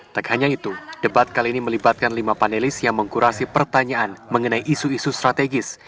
tak hanya itu debat kali ini melibatkan lima panelis yang mengkurasi pertanyaan mengenai isu isu strategis